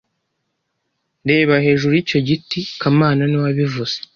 Reba hejuru yicyo giti kamana niwe wabivuze